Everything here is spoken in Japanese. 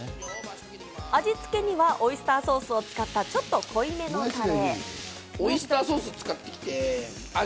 味つけにはオイスターソースを使ったちょっと濃いめのたれ。